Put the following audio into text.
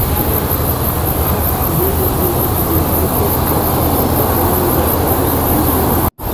Ugomba kumenya kugeza ubu ko Matama atari mwiza cyane kuririmba.